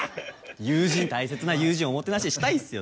友人大切な友人おもてなししたいっすよ